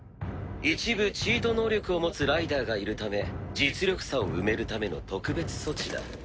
一部チート能力を持つライダーがいるため実力差を埋めるための特別措置だ。